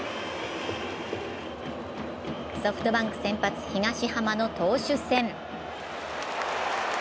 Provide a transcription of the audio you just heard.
ソフトバンク先発・東浜の投手戦。